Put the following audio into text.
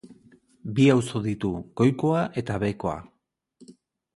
Bi auzo ditu: goikoa eta behekoa.